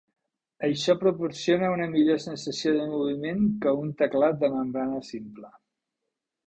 Això proporciona una millor sensació de moviment que un teclat de membrana simple.